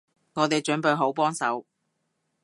我哋準備好幫手